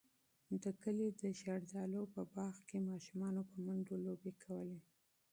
د کلي د زردالیو په باغ کې ماشومانو په منډو لوبې کولې.